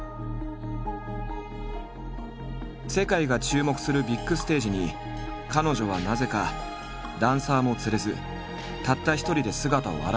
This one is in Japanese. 世界が注目するビッグステージに彼女はなぜかダンサーも連れずたった一人で姿を現したのだ。